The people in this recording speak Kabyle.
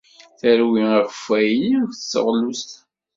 Terwi akeffay-nni akked teɣlust.